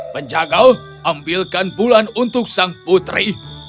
penjagau ambilkan bulan untuk sang putri